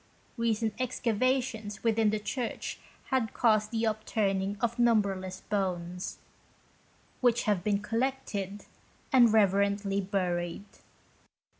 Recent excavations within the church had caused the upturning of numberless bones, which had been collected and reverently buried.